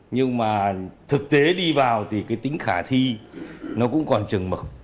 nhưng mà thực tế đi vào thì cái tính khả thi nó cũng còn trừng mực